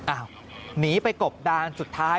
หนีไปกบดานสุดท้าย